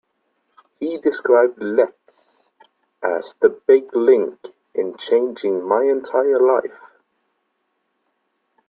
He described Letts as "the big link in changing my entire life".